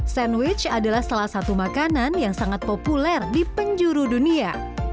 sandwich adalah salah satu makanan yang sangat populer di penjuru dunia